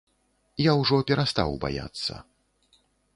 Я ўжо перастаў баяцца.